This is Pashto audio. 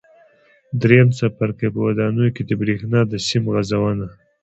درېیم څپرکی: په ودانیو کې د برېښنا د سیم غځونه